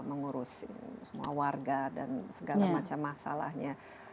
mengurus semua warga dan segala macam masalahnya